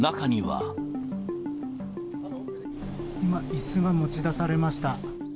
今、いすが持ち出されました。